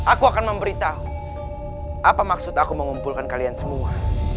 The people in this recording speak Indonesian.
aku akan memberitahu apa maksud aku mengumpulkan kalian semua